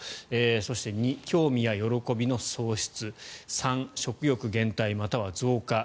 そして、２興味や喜びの喪失３、食欲減退または増加。